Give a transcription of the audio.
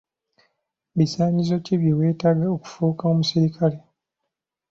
Bisaanyizo ki bye weetaaga okufuuka omusirikale?